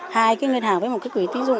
hai cái ngân hàng với một cái quý tí dụng